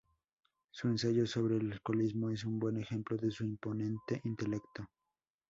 Su ensayo sobre el alcoholismo es un buen ejemplo de su imponente intelecto.